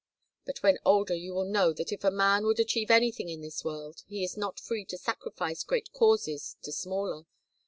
But when older you will know that if a man would achieve anything in this world, he is not free to sacrifice great causes to smaller.